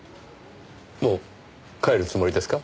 もう帰るつもりですか？